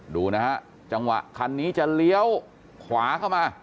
ดูนะฮะจังหวะคันนี้จะเลี้ยวขวาเข้ามา